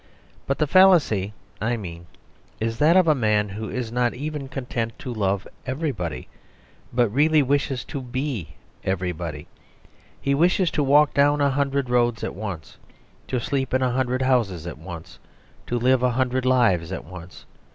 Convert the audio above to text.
But the fallacy I mean is that of a man who is not even content to love everybody, but really wishes to be everybody. He wishes to walk down a hundred roads at once; to sleep in a hundred houses at once; to live a hundred lives at once.